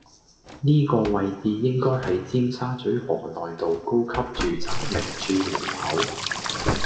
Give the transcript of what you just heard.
呢個位置應該係尖沙咀河內道￼高級住宅名鑄門口